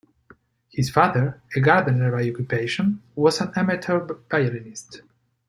His father, a gardener by occupation, was an amateur violinist.